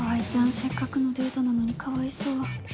せっかくのデートなのにかわいそう。